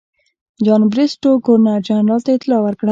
جان بریسټو ګورنر جنرال ته اطلاع ورکړه.